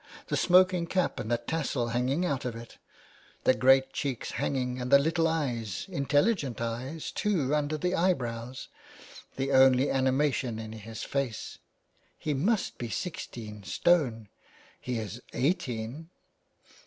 The smoking cap and the tassel hanging out of it !"" The great cheeks hanging and the little eyes, intelligent eyes, too, under the eye brows, the only animation in his face. He must be sixteen stone !"" He is eighteen."